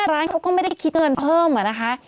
เพราะว่าร้านเขาก็ไม่ได้คิดเงินเพิ่มนะคะ